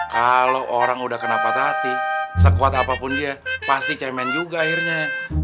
kalau orang udah kena patah hati sekuat apapun dia pasti cemen juga akhirnya